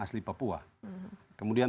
asli papua kemudian